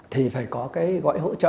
thì phải có cái gói hỗ trợ